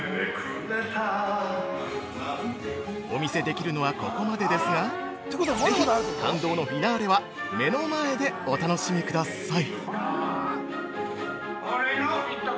お見せできるはここまでですがぜひ感動のフィナーレは目の前でお楽しみください。